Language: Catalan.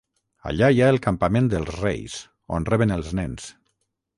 Allà hi ha el campament dels reis, on reben els nens.